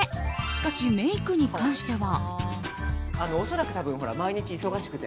しかし、メイクに関しては。